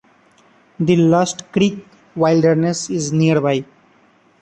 The Lusk Creek Wilderness is nearby.